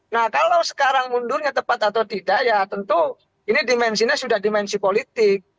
nah kalau sekarang mundurnya tepat atau tidak ya tentu ini dimensinya sudah dimensi politik